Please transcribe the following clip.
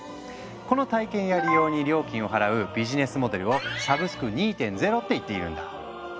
この体験や利用に料金を払うビジネスモデルを「サブスク２．０」って言っているんだ。